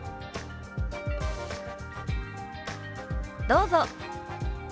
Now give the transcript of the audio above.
どうぞ。